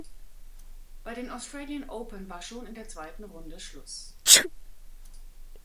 Bei den Australian Open war schon in der zweiten Runde Schluss.